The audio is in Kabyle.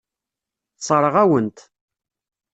Tessṛeɣ-awen-t.